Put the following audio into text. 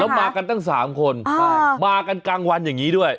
มากันตั้ง๓คนมากันกลางวันอย่างนี้ด้วย